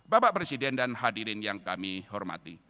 bapak presiden dan hadirin yang kami hormati